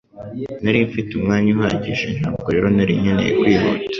Nari mfite umwanya uhagije ntabwo rero nari nkeneye kwihuta